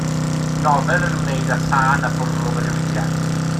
Nofel yn ymwneud a thân a bwrlwm y diwygiad.